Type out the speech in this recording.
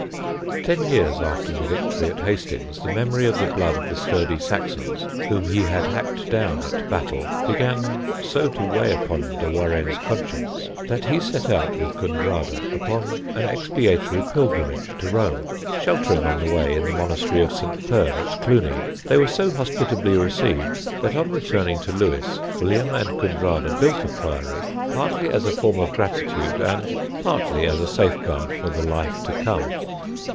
Ten years after the victory at Hastings the memory of the blood of the sturdy Saxons whom he had hacked down at Battle began so to weigh upon de Warenne's conscience that he set out with Gundrada upon an expiatory pilgrimage to Rome. Sheltering on the way in the monastery of St. Per, at Cluny, they were so hospitably received that on returning to Lewes William and Gundrada built a Priory, partly as a form of gratitude, and partly as a safeguard for the life to come.